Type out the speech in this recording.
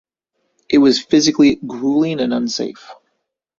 It was physically grueling and unsafe.